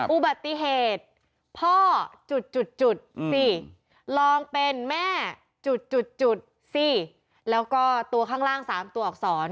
อุบัติเหตุพ่อจุดสิลองเป็นแม่จุดสิแล้วก็ตัวข้างล่าง๓ตัวอักษร